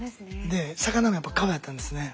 で魚もやっぱ顔だったんですね。